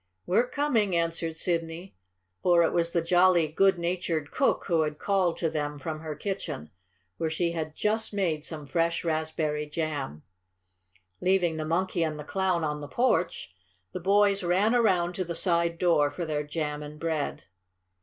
"We're coming," answered Sidney, for it was the jolly, good natured cook who had called to them from her kitchen where she had just made some fresh raspberry jam. Leaving the Monkey and the Clown on the porch, the boys ran around to the side door for their jam and bread.